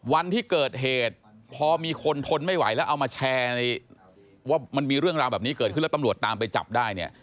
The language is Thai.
วันที่เกิดเหตุพอมีคนทนไม่ไหวแล้วเอามาแชร์ว่ามันมีเรื่องราวแบบนี้เกิดขึ้นแล้วตำรวจตามไปจับได้เนี่ย